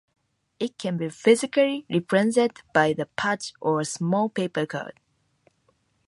It can be physically represented by a patch or a small paper card.